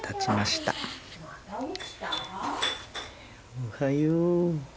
おはよう。